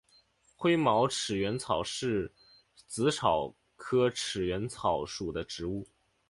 灰毛齿缘草是紫草科齿缘草属的植物。